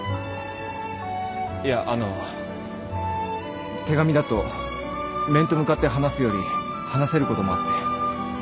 いやあの手紙だと面と向かって話すより話せることもあって。